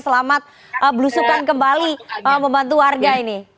selamat belusukan kembali membantu warga ini